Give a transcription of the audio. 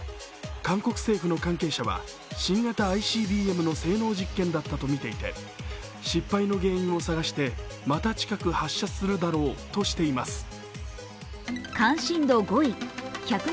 韓国政府の関係者は新型ＩＣＢＭの性能実験だったとみていて失敗の原因を探して、また近く発射するだろうとしています。